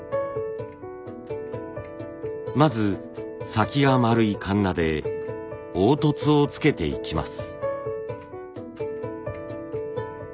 まず先が丸いカンナで凹凸をつけていきます。